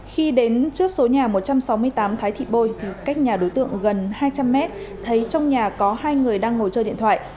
khi đến trước số nhà một trăm sáu mươi tám thái thị bôi thì cách nhà đối tượng gần hai trăm linh mét thấy trong nhà có hai người đang ngồi chơi điện thoại